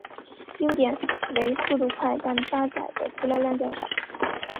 优点为速度快但搭载的资料量较少。